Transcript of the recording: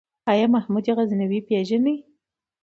آيا محمود غزنوي پېژنې ؟